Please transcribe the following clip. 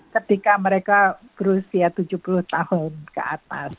ketika mereka berusia tujuh puluh tahun ke atas